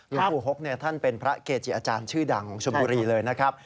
หลวงปู่หกท่านเป็นพระเกจิอาจารย์ชื่อดังของชมบุรีเลยนะครับ